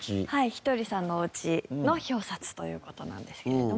ひとりさんのお家の表札という事なんですけれども。